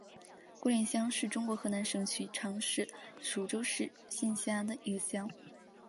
郭连乡是中国河南省许昌市禹州市下辖的一个乡。